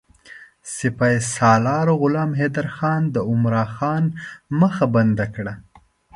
سپه سالار غلام حیدرخان د عمرا خان مخه بنده کړه.